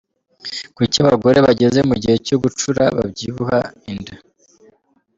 Kuki abagore bageze mu gihe cyo gucura babyibuha inda?